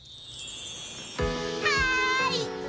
はい！